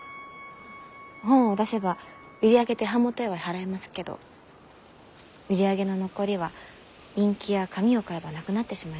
本を出せば売り上げで版元へは払えますけど売り上げの残りはインキや紙を買えばなくなってしまいます。